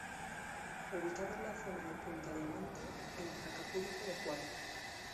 Ubicado en la zona de Punta diamante, en Acapulco de Juárez.